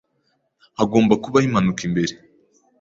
Hagomba kubaho impanuka imbere.